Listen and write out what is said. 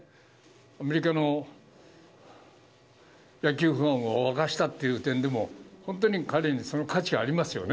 アメリカの野球ファンを沸かせたという点でも、本当に彼にその価値がありますよね。